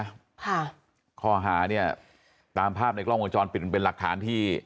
ค่ะข้อหาเนี่ยตามภาพในกล้องวงจรปิดมันเป็นหลักฐานที่